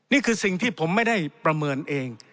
นี่คือสิ่งที่ผมไม่ได้ประเมินเอง